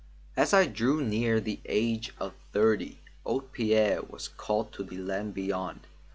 As I drew near the age of thirty, old Pierre was called to the land beyond.